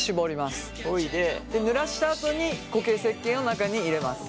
ぬらしたあとに固形せっけんを中に入れます。